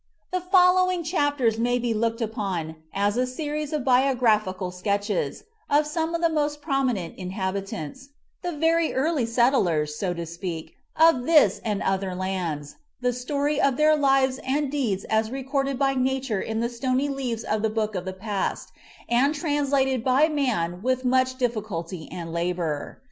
The following chapters may be looked upon as a series of biographical sketches of some of the most prominent inhabitants, the very early settlers, so to speak, of this and other lands, the story of their lives and deeds as recorded by nature in the stony leaves of the book of the past and translated by man with much difficulty and labor.